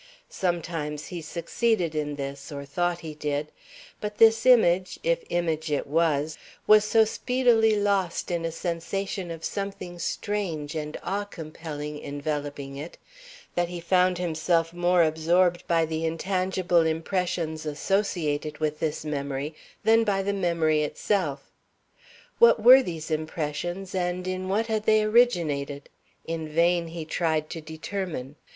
Sometimes he succeeded in this, or thought he did; but this image, if image it was, was so speedily lost in a sensation of something strange and awe compelling enveloping it, that he found himself more absorbed by the intangible impressions associated with this memory than by the memory itself. What were these impressions, and in what had they originated? In vain he tried to determine.